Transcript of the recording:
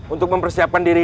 untuk mempersiapkan diri